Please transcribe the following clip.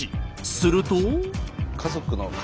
すると。